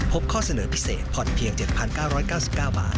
ข้อเสนอพิเศษผ่อนเพียง๗๙๙๙บาท